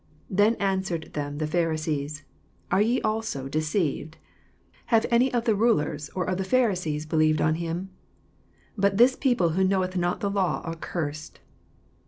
47 Then answered them the Phar isees, Are ye also deceived 7 48 Have any of the rulers or oi the Pharisees believed on him 7 49 But this people who knoweth not the law are cursed.